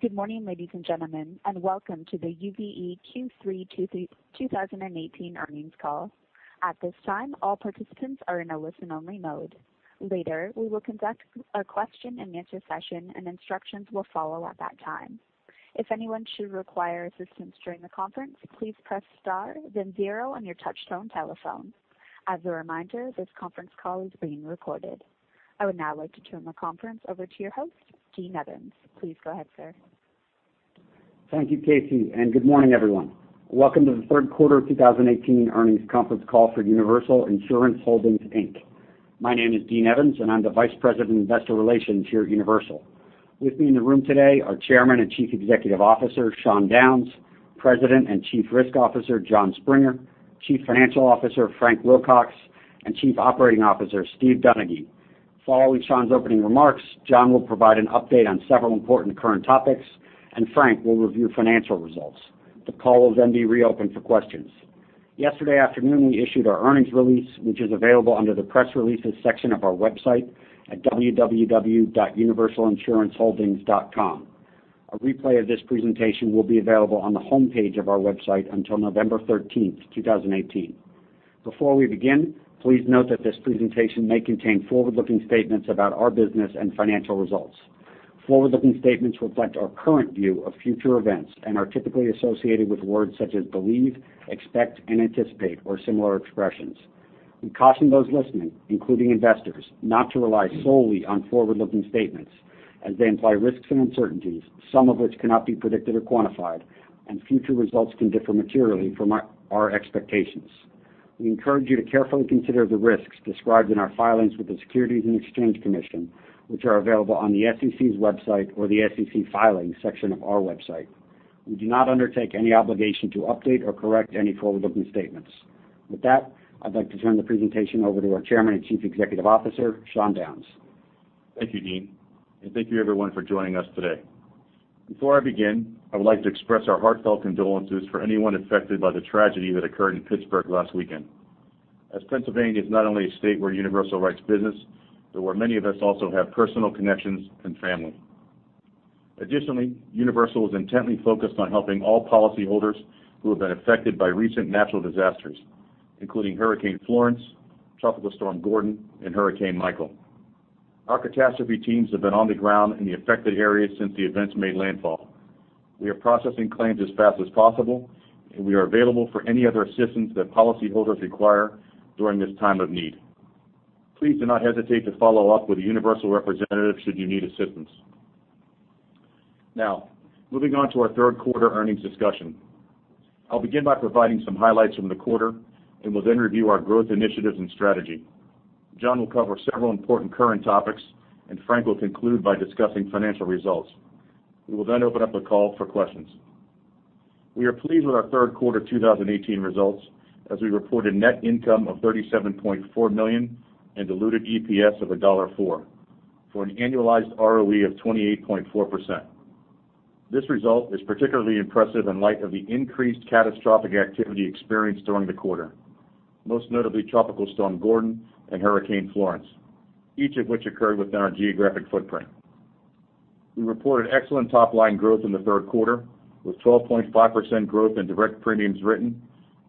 Good morning, ladies and gentlemen, welcome to the UVE Q3 2018 earnings call. At this time, all participants are in a listen-only mode. Later, we will conduct a question-and-answer session, and instructions will follow at that time. If anyone should require assistance during the conference, please press star then zero on your touchtone telephone. As a reminder, this conference call is being recorded. I would now like to turn the conference over to your host, Dean Evans. Please go ahead, sir. Thank you, Casey, good morning, everyone. Welcome to the third quarter 2018 earnings conference call for Universal Insurance Holdings, Inc. My name is Dean Evans, I'm the Vice President of Investor Relations here at Universal. With me in the room today are Chairman and Chief Executive Officer, Sean Downes; President and Chief Risk Officer, Jon Springer; Chief Financial Officer, Frank Wilcox; and Chief Operating Officer, Stephen Donaghy. Following Sean's opening remarks, Jon will provide an update on several important current topics, Frank will review financial results. The call will be reopened for questions. Yesterday afternoon, we issued our earnings release, which is available under the press releases section of our website at www.universalinsuranceholdings.com. A replay of this presentation will be available on the homepage of our website until November 13th, 2018. Before we begin, please note that this presentation may contain forward-looking statements about our business and financial results. Forward-looking statements reflect our current view of future events and are typically associated with words such as believe, expect, anticipate, or similar expressions. We caution those listening, including investors, not to rely solely on forward-looking statements as they imply risks and uncertainties, some of which cannot be predicted or quantified, future results can differ materially from our expectations. We encourage you to carefully consider the risks described in our filings with the Securities and Exchange Commission, which are available on the SEC's website or the SEC Filings section of our website. We do not undertake any obligation to update or correct any forward-looking statements. With that, I'd like to turn the presentation over to our Chairman and Chief Executive Officer, Sean Downes. Thank you, Dean. Thank you, everyone, for joining us today. Before I begin, I would like to express our heartfelt condolences for anyone affected by the tragedy that occurred in Pittsburgh last weekend, as Pennsylvania is not only a state where Universal writes business, where many of us also have personal connections and family. Additionally, Universal is intently focused on helping all policyholders who have been affected by recent natural disasters, including Hurricane Florence, Tropical Storm Gordon, Hurricane Michael. Our catastrophe teams have been on the ground in the affected areas since the events made landfall. We are processing claims as fast as possible, we are available for any other assistance that policyholders require during this time of need. Please do not hesitate to follow up with a Universal representative should you need assistance. Moving on to our third quarter earnings discussion. I'll begin by providing some highlights from the quarter, and will then review our growth initiatives and strategy. Jon will cover several important current topics, and Frank will conclude by discussing financial results. We will then open up the call for questions. We are pleased with our third quarter 2018 results as we reported net income of $37.4 million and diluted EPS of $1.4 for an annualized ROE of 28.4%. This result is particularly impressive in light of the increased catastrophic activity experienced during the quarter, most notably Tropical Storm Gordon and Hurricane Florence, each of which occurred within our geographic footprint. We reported excellent top-line growth in the third quarter, with 12.5% growth in direct premiums written,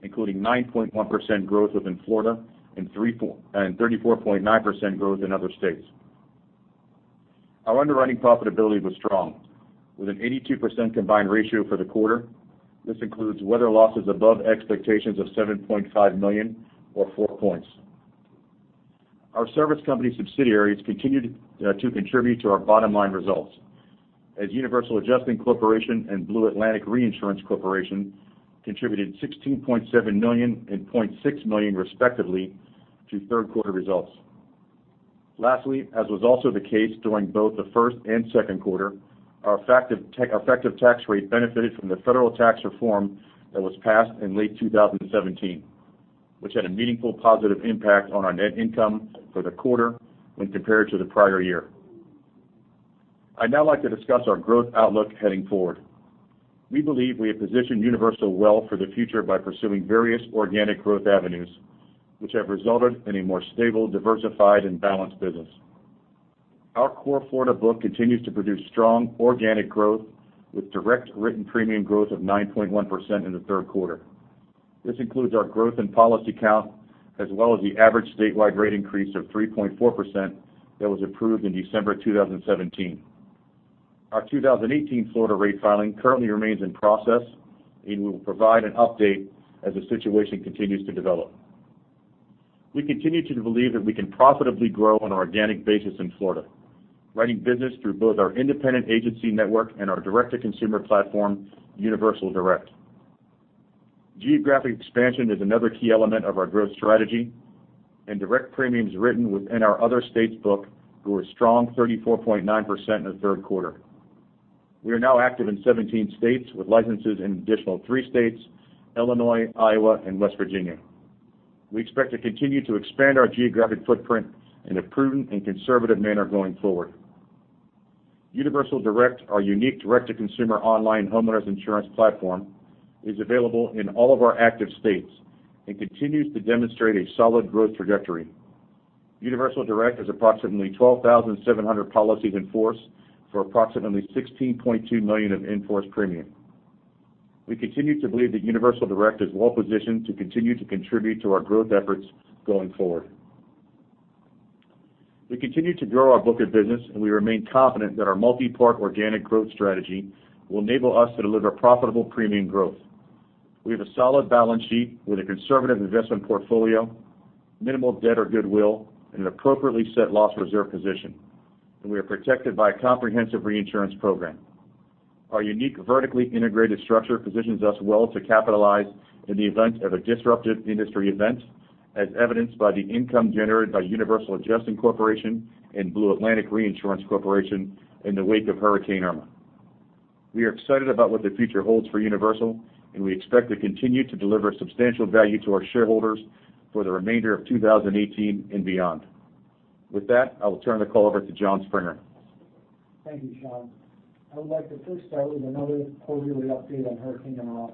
including 9.1% growth within Florida and 34.9% growth in other states. Our underwriting profitability was strong with an 82% combined ratio for the quarter. This includes weather losses above expectations of $7.5 million or four points. Our service company subsidiaries continued to contribute to our bottom-line results as Universal Adjusting Corporation and Blue Atlantic Reinsurance Corporation contributed $16.7 million and $0.6 million, respectively, to third-quarter results. Lastly, as was also the case during both the first and second quarter, our effective tax rate benefited from the federal tax reform that was passed in late 2017, which had a meaningful positive impact on our net income for the quarter when compared to the prior year. I'd now like to discuss our growth outlook heading forward. We believe we have positioned Universal well for the future by pursuing various organic growth avenues, which have resulted in a more stable, diversified, and balanced business. Our core Florida book continues to produce strong organic growth with direct written premium growth of 9.1% in the third quarter. This includes our growth in policy count, as well as the average statewide rate increase of 3.4% that was approved in December 2017. Our 2018 Florida rate filing currently remains in process, and we will provide an update as the situation continues to develop. We continue to believe that we can profitably grow on an organic basis in Florida, writing business through both our independent agency network and our direct-to-consumer platform, Universal Direct. Geographic expansion is another key element of our growth strategy, and direct premiums written within our other states book grew a strong 34.9% in the third quarter. We are now active in 17 states with licenses in an additional three states, Illinois, Iowa, and West Virginia. We expect to continue to expand our geographic footprint in a prudent and conservative manner going forward. Universal Direct, our unique direct-to-consumer online homeowners insurance platform, is available in all of our active states and continues to demonstrate a solid growth trajectory. Universal Direct has approximately 12,700 policies in force for approximately $16.2 million of in-force premium. We continue to believe that Universal Direct is well-positioned to continue to contribute to our growth efforts going forward. We continue to grow our book of business, and we remain confident that our multi-part organic growth strategy will enable us to deliver profitable premium growth. We have a solid balance sheet with a conservative investment portfolio, minimal debt or goodwill, and an appropriately set loss reserve position. We are protected by a comprehensive reinsurance program. Our unique vertically integrated structure positions us well to capitalize in the event of a disruptive industry event, as evidenced by the income generated by Universal Adjusting Corporation and Blue Atlantic Reinsurance Corporation in the wake of Hurricane Irma. We are excited about what the future holds for Universal, and we expect to continue to deliver substantial value to our shareholders for the remainder of 2018 and beyond. With that, I will turn the call over to Jon Springer. Thank you, Sean. I would like to first start with another quarterly update on Hurricane Irma.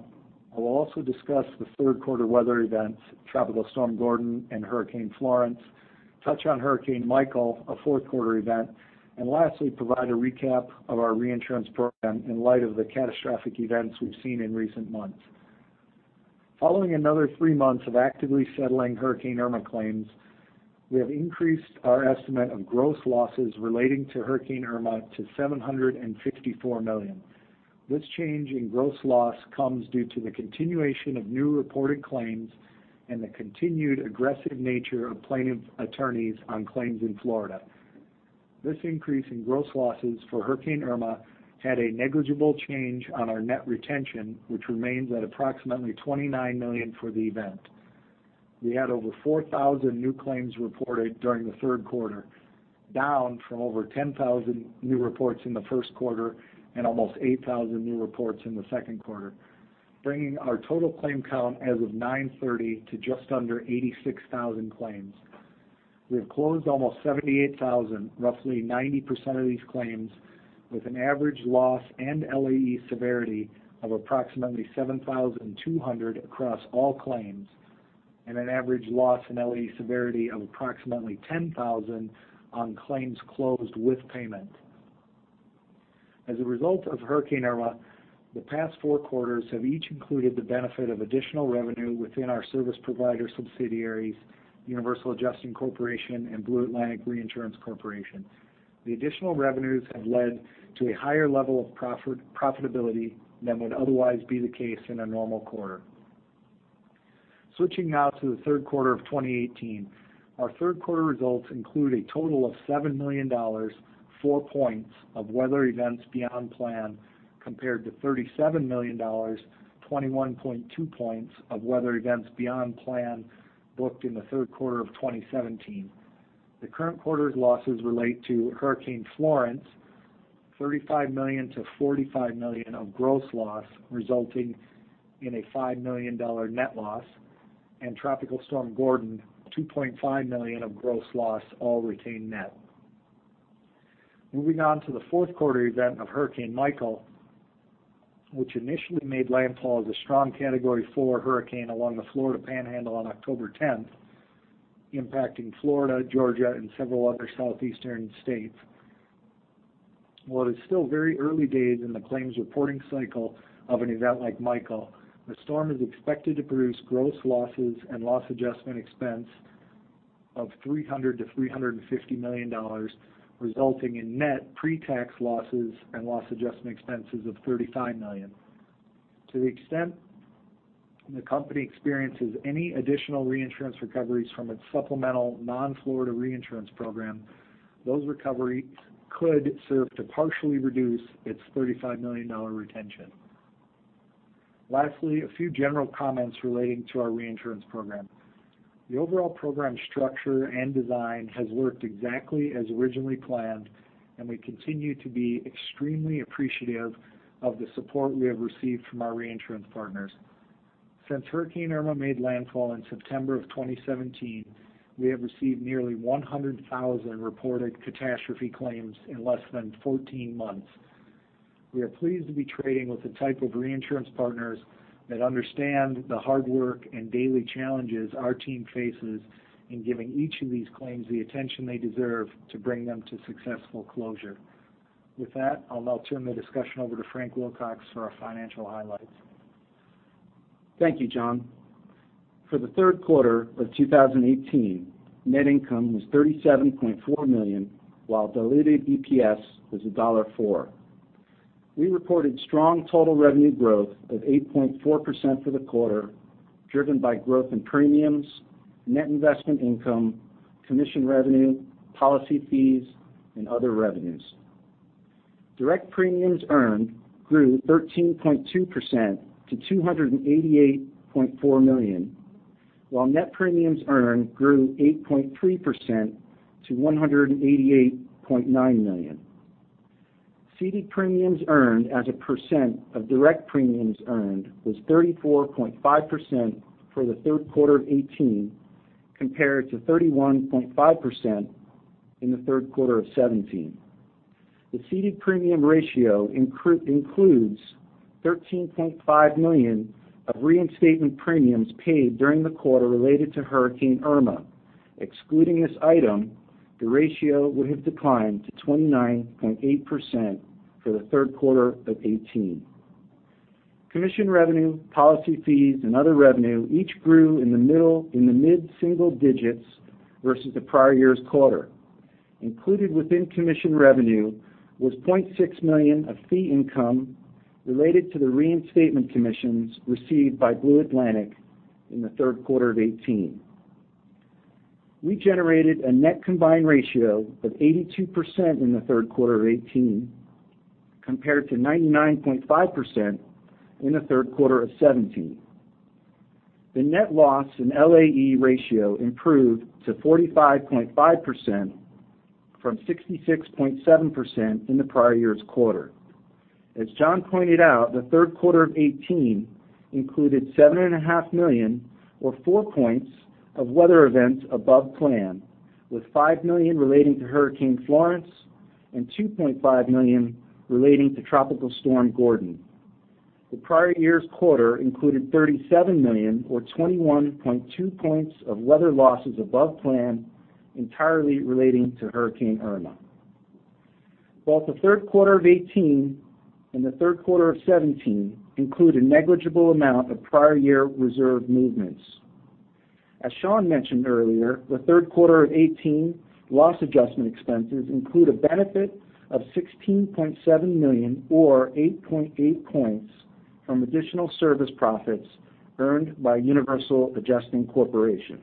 I will also discuss the third quarter weather events, Tropical Storm Gordon and Hurricane Florence, touch on Hurricane Michael, a fourth quarter event, and lastly, provide a recap of our reinsurance program in light of the catastrophic events we've seen in recent months. Following another three months of actively settling Hurricane Irma claims, we have increased our estimate of gross losses relating to Hurricane Irma to $754 million. This change in gross loss comes due to the continuation of new reported claims and the continued aggressive nature of plaintiff attorneys on claims in Florida. This increase in gross losses for Hurricane Irma had a negligible change on our net retention, which remains at approximately $29 million for the event. We had over 4,000 new claims reported during the third quarter, down from over 10,000 new reports in the first quarter and almost 8,000 new reports in the second quarter, bringing our total claim count as of 9/30 to just under 86,000 claims. We have closed almost 78,000, roughly 90% of these claims, with an average loss and LAE severity of approximately $7,200 across all claims, and an average loss in LAE severity of approximately $10,000 on claims closed with payment. As a result of Hurricane Irma, the past four quarters have each included the benefit of additional revenue within our service provider subsidiaries, Universal Adjusting Corporation and Blue Atlantic Reinsurance Corporation. The additional revenues have led to a higher level of profitability than would otherwise be the case in a normal quarter. Switching now to the third quarter of 2018. Our third quarter results include a total of $7.5 million, four points of weather events beyond plan, compared to $37 million, 21.2 points of weather events beyond plan booked in the third quarter of 2017. The current quarter's losses relate to Hurricane Florence, $35 million-$45 million of gross loss, resulting in a $5 million net loss, and Tropical Storm Gordon, $2.5 million of gross loss, all retained net. Moving on to the fourth quarter event of Hurricane Michael, which initially made landfall as a strong Category 4 hurricane along the Florida Panhandle on October 10th, impacting Florida, Georgia, and several other Southeastern states. While it is still very early days in the claims reporting cycle of an event like Hurricane Michael, the storm is expected to produce gross losses and loss adjustment expense of $300 million-$350 million, resulting in net pre-tax losses and loss adjustment expenses of $35 million. To the extent the company experiences any additional reinsurance recoveries from its supplemental non-Florida reinsurance program, those recoveries could serve to partially reduce its $35 million retention. Lastly, a few general comments relating to our reinsurance program. The overall program structure and design has worked exactly as originally planned, and we continue to be extremely appreciative of the support we have received from our reinsurance partners. Since Hurricane Irma made landfall in September 2017, we have received nearly 100,000 reported catastrophe claims in less than 14 months. We are pleased to be trading with the type of reinsurance partners that understand the hard work and daily challenges our team faces in giving each of these claims the attention they deserve to bring them to successful closure. With that, I'll now turn the discussion over to Frank Wilcox for our financial highlights. Thank you, Jon. For the third quarter of 2018, net income was $37.4 million, while diluted EPS was $1.4. We reported strong total revenue growth of 8.4% for the quarter, driven by growth in premiums, net investment income, commission revenue, policy fees, and other revenues. Direct premiums earned grew 13.2% to $288.4 million, while net premiums earned grew 8.3% to $188.9 million. Ceded premiums earned as a percent of direct premiums earned was 34.5% for the third quarter of 2018, compared to 31.5% in the third quarter of 2017. The ceded premium ratio includes $13.5 million of reinstatement premiums paid during the quarter related to Hurricane Irma. Excluding this item, the ratio would have declined to 29.8% for the third quarter of 2018. Commission revenue, policy fees, and other revenue each grew in the mid-single digits versus the prior year's quarter. Included within commission revenue was $0.6 million of fee income related to the reinstatement commissions received by Blue Atlantic in the third quarter of 2018. We generated a net combined ratio of 82% in the third quarter of 2018, compared to 99.5% in the third quarter of 2017. The net loss in LAE ratio improved to 45.5% from 66.7% in the prior year's quarter. As Jon pointed out, the third quarter of 2018 included $7.5 million, or 4 points, of weather events above plan, with $5 million relating to Hurricane Florence and $2.5 million relating to Tropical Storm Gordon. The prior year's quarter included $37 million, or 21.2 points of weather losses above plan, entirely relating to Hurricane Irma. Both the third quarter of 2018 and the third quarter of 2017 include a negligible amount of prior year reserve movements. As Sean mentioned earlier, the third quarter of 2018 loss adjustment expenses include a benefit of $16.7 million, or 8.8 points from additional service profits earned by Universal Adjusting Corporation.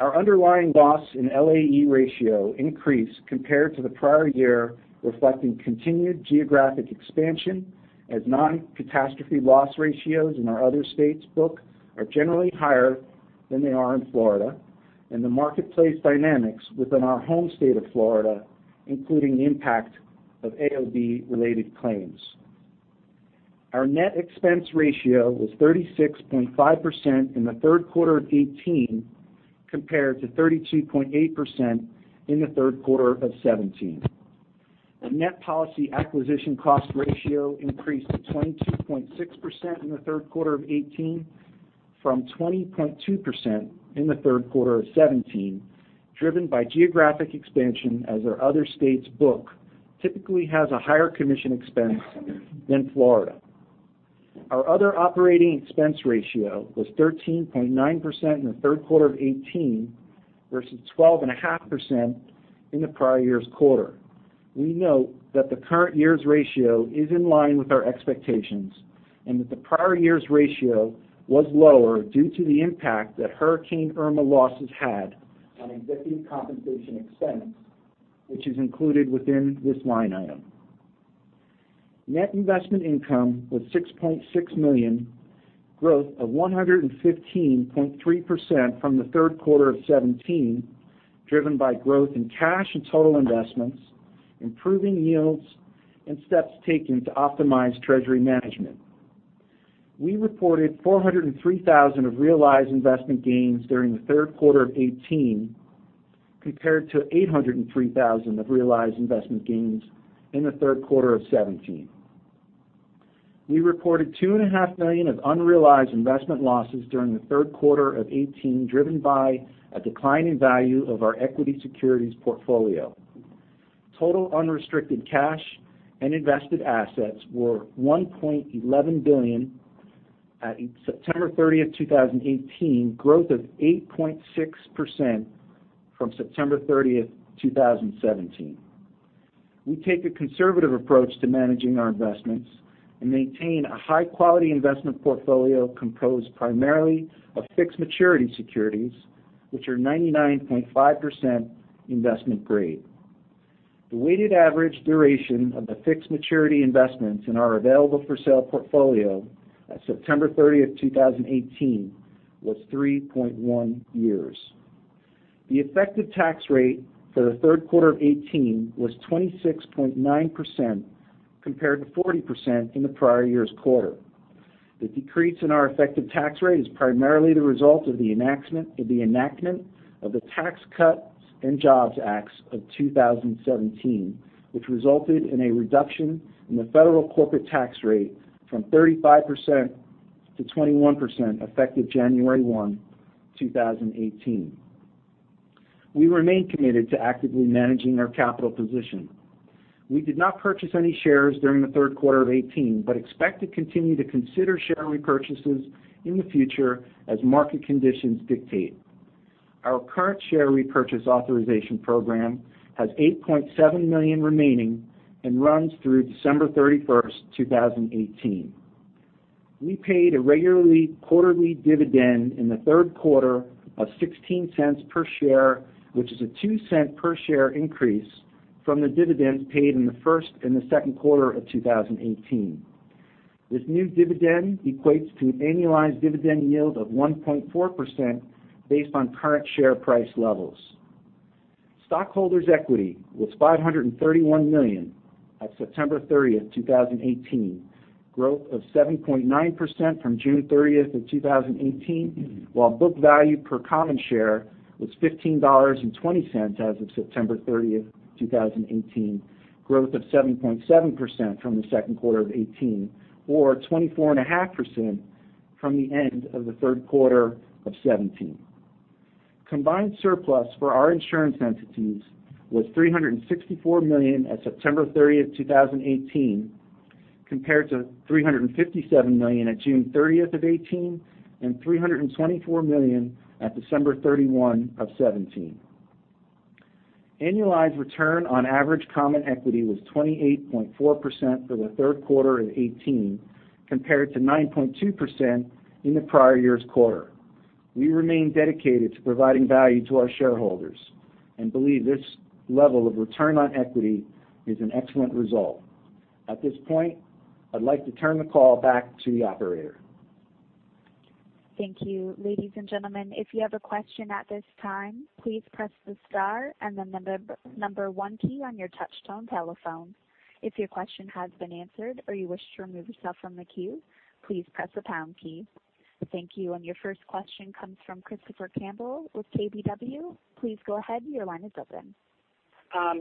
Our underlying loss in LAE ratio increased compared to the prior year, reflecting continued geographic expansion as non-catastrophe loss ratios in our other states book are generally higher than they are in Florida, and the marketplace dynamics within our home state of Florida, including the impact of AOB-related claims. Our net expense ratio was 36.5% in the third quarter of 2018, compared to 32.8% in the third quarter of 2017. The net policy acquisition cost ratio increased to 22.6% in the third quarter of 2018 from 20.2% in the third quarter of 2017, driven by geographic expansion as our other states book typically has a higher commission expense than Florida. Our other operating expense ratio was 13.9% in the third quarter of 2018 versus 12.5% in the prior year's quarter. We note that the current year's ratio is in line with our expectations, and that the prior year's ratio was lower due to the impact that Hurricane Irma losses had on executive compensation expense, which is included within this line item. Net investment income was $6.6 million, growth of 115.3% from the third quarter of 2017, driven by growth in cash and total investments, improving yields, and steps taken to optimize treasury management. We reported $403,000 of realized investment gains during the third quarter of 2018, compared to $803,000 of realized investment gains in the third quarter of 2017. We reported $2.5 million of unrealized investment losses during the third quarter of 2018, driven by a decline in value of our equity securities portfolio. Total unrestricted cash and invested assets were $1.11 billion at September 30th, 2018, growth of 8.6% from September 30th, 2017. We take a conservative approach to managing our investments and maintain a high-quality investment portfolio composed primarily of fixed maturity securities, which are 99.5% investment grade. The weighted average duration of the fixed maturity investments in our available for sale portfolio at September 30th, 2018, was 3.1 years. The effective tax rate for the third quarter of 2018 was 26.9%, compared to 40% in the prior year's quarter. The decrease in our effective tax rate is primarily the result of the enactment of the Tax Cuts and Jobs Act of 2017, which resulted in a reduction in the federal corporate tax rate from 35% to 21%, effective January 1, 2018. We remain committed to actively managing our capital position. We did not purchase any shares during the third quarter of 2018, but expect to continue to consider share repurchases in the future as market conditions dictate. Our current share repurchase authorization program has $8.7 million remaining and runs through December 31st, 2018. We paid a regularly quarterly dividend in the third quarter of $0.16 per share, which is a $0.02 per share increase from the dividends paid in the first and the second quarter of 2018. This new dividend equates to an annualized dividend yield of 1.4%, based on current share price levels. Stockholders' equity was $531 million. At September 30th, 2018. Growth of 7.9% from June 30th of 2018, while book value per common share was $15.20 as of September 30th, 2018, growth of 7.7% from the second quarter of 2018, or 24.5% from the end of the third quarter of 2017. Combined surplus for our insurance entities was $364 million at September 30th, 2018, compared to $357 million at June 30th of 2018, and $324 million at December 31st of 2017. Annualized return on average common equity was 28.4% for the third quarter of 2018, compared to 9.2% in the prior year's quarter. We remain dedicated to providing value to our shareholders and believe this level of return on equity is an excellent result. At this point, I'd like to turn the call back to the operator. Thank you. Ladies and gentlemen, if you have a question at this time, please press the star and the number one key on your touchtone telephone. If your question has been answered or you wish to remove yourself from the queue, please press the pound key. Thank you. Your first question comes from Christopher Campbell with KBW. Please go ahead. Your line is open.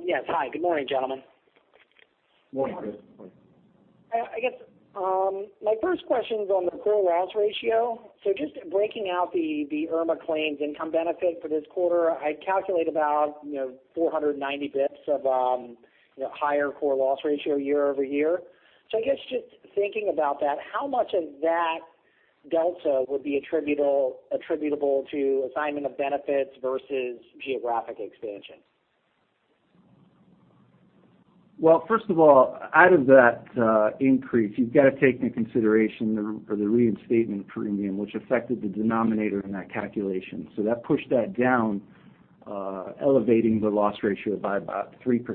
Yes. Hi. Good morning, gentlemen. Morning, Chris. Morning. I guess, my first question's on the core loss ratio. Just breaking out the Hurricane Irma claims income benefit for this quarter, I calculate about 490 basis points of higher core loss ratio year-over-year. I guess just thinking about that, how much of that delta would be attributable to assignment of benefits versus geographic expansion? First of all, out of that increase, you've got to take into consideration the reinstatement premium, which affected the denominator in that calculation. That pushed that down, elevating the loss ratio by about 3%.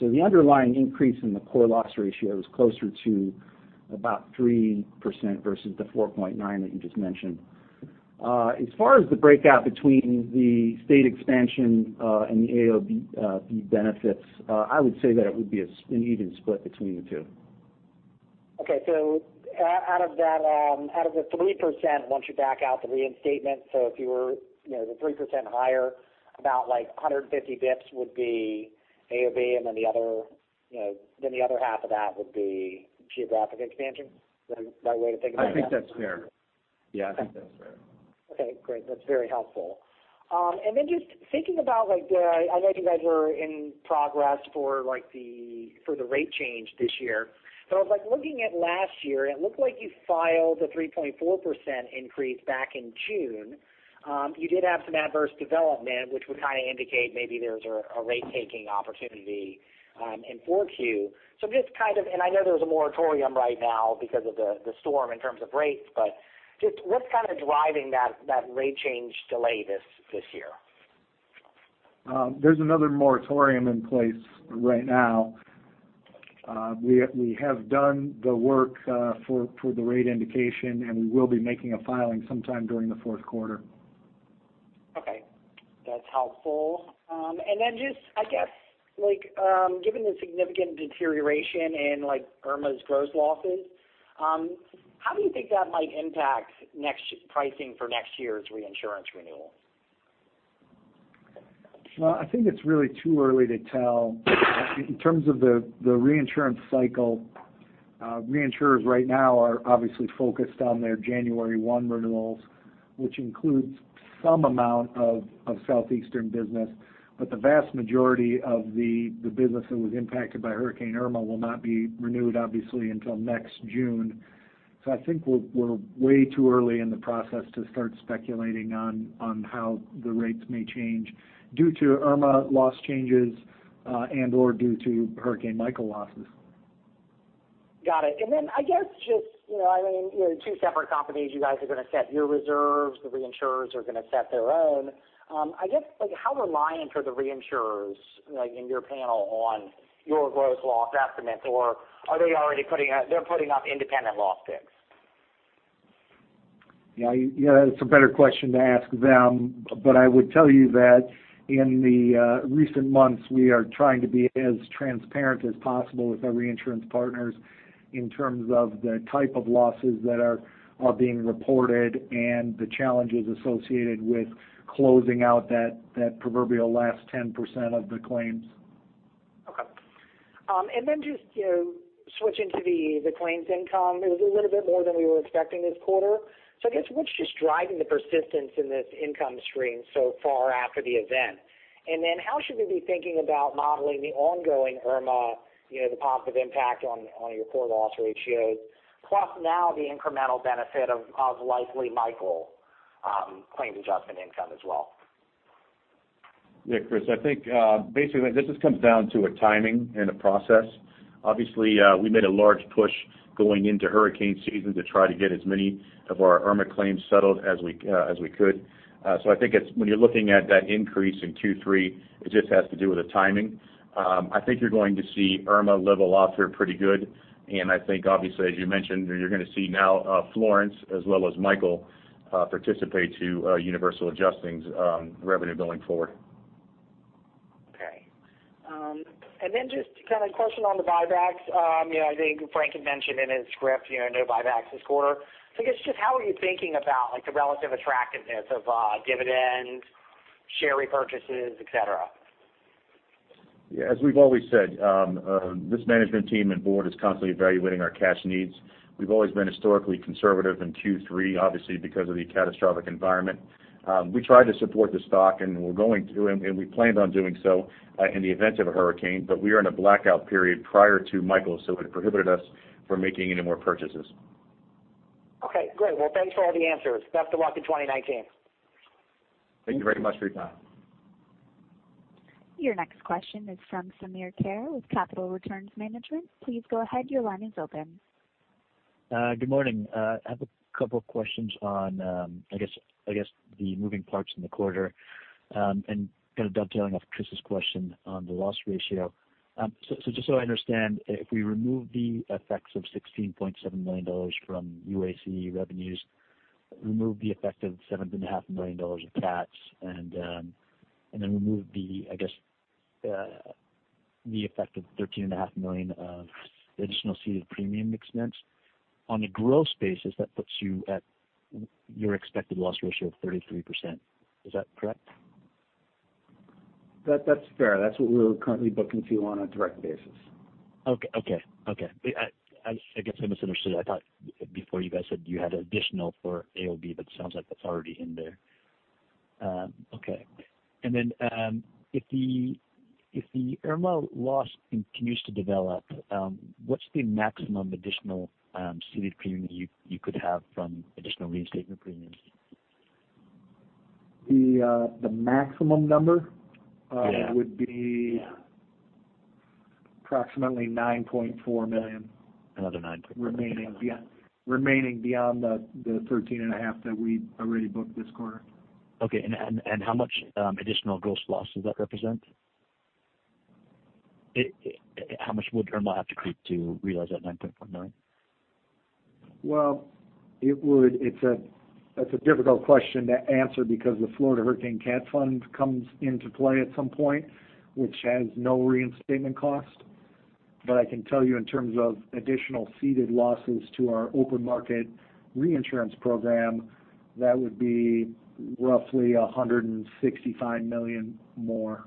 The underlying increase in the core loss ratio is closer to about 3% versus the 4.9% that you just mentioned. As far as the breakout between the state expansion, and the AOB benefits, I would say that it would be an even split between the two. Okay. Out of the 3%, once you back out the reinstatement, if you were the 3% higher, about 150 basis points would be AOB, and then the other half of that would be geographic expansion? Is that the right way to think about that? I think that's fair. Yeah, I think that's fair. Okay, great. That's very helpful. Just thinking about, I know you guys are in progress for the rate change this year. I was looking at last year, and it looked like you filed a 3.4% increase back in June. You did have some adverse development, which would kind of indicate maybe there's a rate taking opportunity in 4Q. Just kind of, and I know there's a moratorium right now because of the storm in terms of rates, but just what's kind of driving that rate change delay this year? There's another moratorium in place right now. We have done the work for the rate indication, and we will be making a filing sometime during the fourth quarter. Okay. That's helpful. Given the significant deterioration in Irma's gross losses, how do you think that might impact pricing for next year's reinsurance renewal? I think it's really too early to tell. In terms of the reinsurance cycle, reinsurers right now are obviously focused on their January 1 renewals, which includes some amount of Southeastern business. The vast majority of the business that was impacted by Hurricane Irma will not be renewed, obviously, until next June. I think we're way too early in the process to start speculating on how the rates may change due to Irma loss changes, and/or due to Hurricane Michael losses. Got it. Two separate companies, you guys are going to set your reserves, the reinsurers are going to set their own. How reliant are the reinsurers in your panel on your gross loss estimates? Or are they already putting out independent loss picks? It's a better question to ask them. I would tell you that in the recent months, we are trying to be as transparent as possible with our reinsurance partners in terms of the type of losses that are being reported and the challenges associated with closing out that proverbial last 10% of the claims. Okay. Just switching to the claims income, it was a little bit more than we were expecting this quarter. I guess what's just driving the persistence in this income stream so far after the event? How should we be thinking about modeling the ongoing Hurricane Irma, the positive impact on your core loss ratios, plus now the incremental benefit of likely Hurricane Michael claims adjustment income as well? Yeah, Chris. I think, basically, this just comes down to a timing and a process. Obviously, we made a large push going into hurricane season to try to get as many of our Hurricane Irma claims settled as we could. I think when you're looking at that increase in Q3, it just has to do with the timing. I think you're going to see Hurricane Irma level off here pretty good. I think, obviously, as you mentioned, you're going to see now Hurricane Florence as well as Hurricane Michael participate to Universal Adjusting's revenue going forward. Okay. Just a question on the buybacks. I think Frank had mentioned in his script, no buybacks this quarter. I guess just how are you thinking about the relative attractiveness of dividends, share repurchases, et cetera? Yeah. As we've always said, this management team and board is constantly evaluating our cash needs. We've always been historically conservative in Q3, obviously, because of the catastrophic environment. We try to support the stock, we planned on doing so in the event of a hurricane, but we are in a blackout period prior to Hurricane Michael, it prohibited us from making any more purchases. Okay, great. Well, thanks for all the answers. Best of luck in 2019. Thank you very much for your time. Your next question is from Samir Khair with Capital Returns Management. Please go ahead, your line is open. Good morning. I have a couple of questions on, I guess, the moving parts in the quarter. Kind of dovetailing off Chris's question on the loss ratio. Just so I understand, if we remove the effects of $16.7 million from UAC revenues, remove the effect of $7.5 million of CATs, and then remove the, I guess, the effect of $13.5 million of additional ceded premium expense. On a gross basis, that puts you at your expected loss ratio of 33%. Is that correct? That's fair. That's what we're currently booking to on a direct basis. Okay. I guess I misunderstood. I thought before you guys said you had additional for AOB, but it sounds like that's already in there. Okay. Then, if the Irma loss continues to develop, what's the maximum additional ceded premium you could have from additional reinstatement premiums? The maximum number- Yeah would be approximately $9.4 million- Another $9.4. remaining beyond the $13.5 that we already booked this quarter. Okay. How much additional gross loss does that represent? How much would Hurricane Irma have to creep to realize that $9.4 million? Well, that's a difficult question to answer because the Florida Hurricane Catastrophe Fund comes into play at some point, which has no reinstatement cost. I can tell you in terms of additional ceded losses to our open market reinsurance program, that would be roughly $165 million more.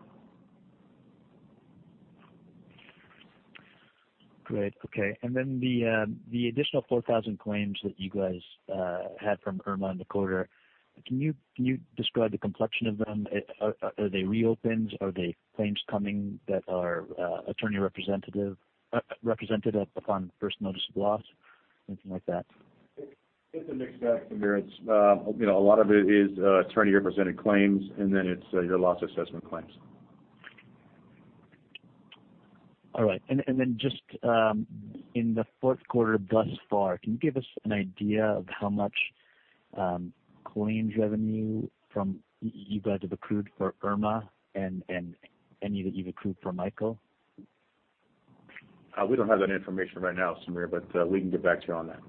Great. Okay. The additional 4,000 claims that you guys had from Hurricane Irma in the quarter, can you describe the complexion of them? Are they reopens? Are they claims coming that are attorney represented upon first notice of loss? Anything like that? It's a mixed bag, Samir. A lot of it is attorney-represented claims, and then it's your loss assessment claims. All right. Just in the fourth quarter thus far, can you give us an idea of how much claims revenue you guys have accrued for Hurricane Irma and any that you've accrued for Hurricane Michael? We don't have that information right now, Samir, but we can get back to you on that.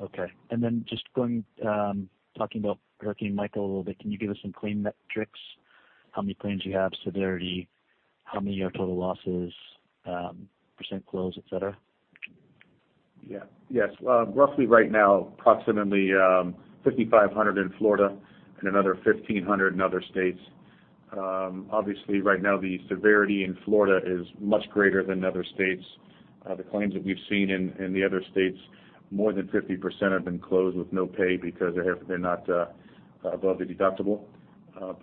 Okay. Just talking about Hurricane Michael a little bit. Can you give us some claim metrics? How many claims you have, severity, how many are total losses, % close, et cetera? Yes. Roughly right now, approximately 5,500 in Florida and another 1,500 in other states. Obviously right now, the severity in Florida is much greater than in other states. The claims that we've seen in the other states, more than 50% have been closed with no pay because they're not above the deductible.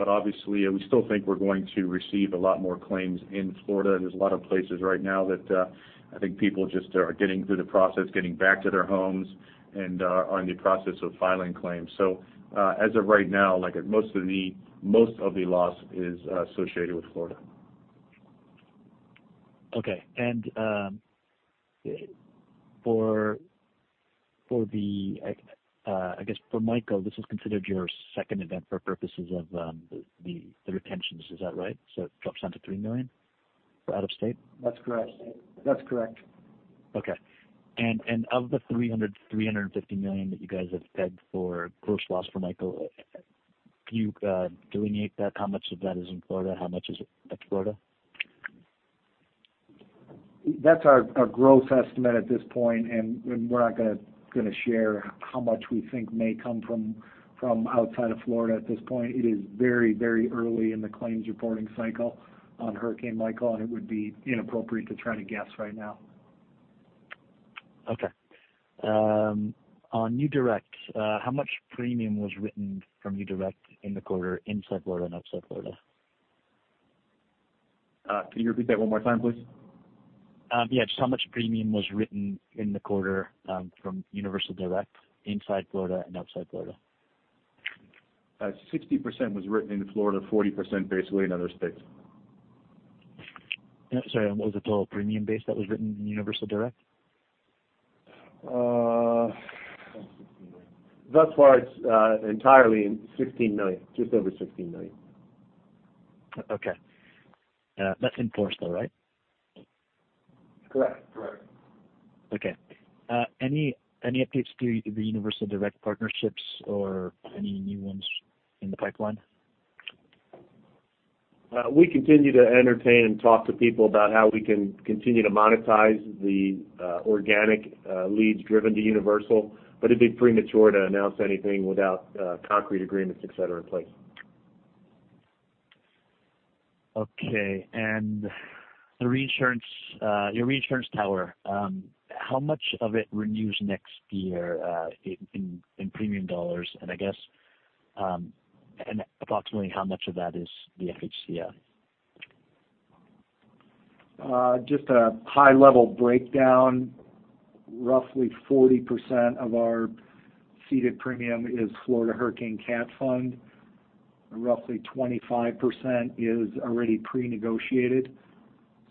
Obviously, we still think we're going to receive a lot more claims in Florida. There's a lot of places right now that I think people just are getting through the process, getting back to their homes and are in the process of filing claims. As of right now, most of the loss is associated with Florida. Okay. I guess for Michael, this is considered your second event for purposes of the retentions, is that right? It drops down to $3 million for out of state? That's correct. Okay. Of the $350 million that you guys have pegged for gross loss for Michael, can you delineate that? How much of that is in Florida? How much is it extra Florida? That's our gross estimate at this point, and we're not going to share how much we think may come from outside of Florida at this point. It is very early in the claims reporting cycle on Hurricane Michael, and it would be inappropriate to try to guess right now. Okay. On Universal Direct, how much premium was written from Universal Direct in the quarter inside Florida and outside Florida? Can you repeat that one more time, please? Yeah, just how much premium was written in the quarter from Universal Direct inside Florida and outside Florida? 60% was written in Florida, 40% basically in other states. Sorry, was it all premium-based that was written in Universal Direct? Thus far, it's entirely in $16 million, just over $16 million. Okay. That's in force though, right? Correct. Okay. Any updates to the Universal Direct partnerships or any new ones in the pipeline? We continue to entertain and talk to people about how we can continue to monetize the organic leads driven to Universal, it'd be premature to announce anything without concrete agreements, et cetera, in place. Okay. Your reinsurance tower, how much of it renews next year in premium dollars? Approximately how much of that is the FHCF? Just a high-level breakdown. Roughly 40% of our ceded premium is Florida Hurricane Catastrophe Fund, and roughly 25% is already pre-negotiated.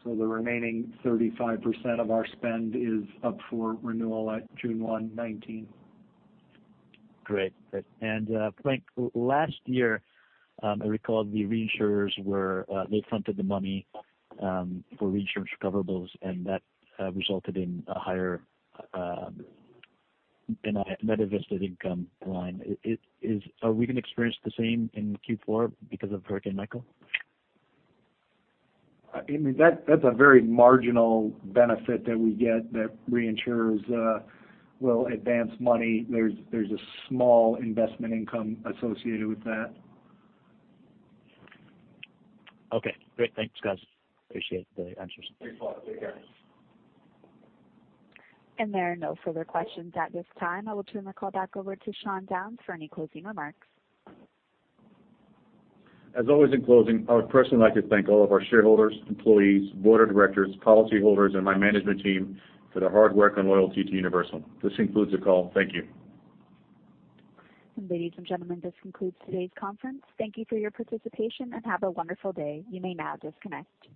The remaining 35% of our spend is up for renewal at June 1, 2019. Great. Frank, last year, I recall the reinsurers, they fronted the money for reinsurance recoverables, and that resulted in a higher net investment income line. Are we going to experience the same in Q4 because of Hurricane Michael? That's a very marginal benefit that we get that reinsurers will advance money. There's a small investment income associated with that. Okay, great. Thanks, guys. Appreciate the answers. Thanks a lot. Take care. There are no further questions at this time. I will turn the call back over to Sean Downes for any closing remarks. As always, in closing, I would personally like to thank all of our shareholders, employees, board of directors, policyholders, and my management team for their hard work and loyalty to Universal. This concludes the call. Thank you. Ladies and gentlemen, this concludes today's conference. Thank you for your participation, and have a wonderful day. You may now disconnect.